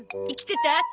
生きてた？